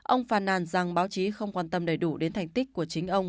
ông phàn nàn rằng báo chí không quan tâm đầy đủ đến thành tích của chính ông